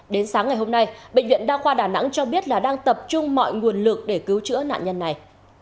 đến sáng ngày hôm nay bệnh viện đa khoa đà nẵng cho biết là đang tập trung mọi nguồn lực để cứu chữa nạn nhân này